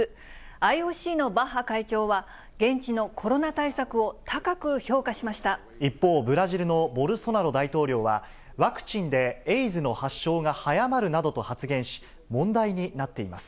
ＩＯＣのバッハ会長は、現地のコ一方、ブラジルのボルソナロ大統領は、ワクチンでエイズの発症が早まるなどと発言し、問題になっています。